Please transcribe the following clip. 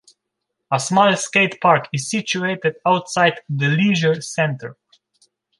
A small skatepark is situated outside the leisure centre.